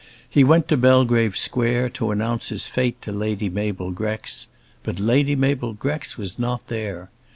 He went to Belgrave Square, to announce his fate to Lady Mabel Grex; but Lady Mabel Grex was not there.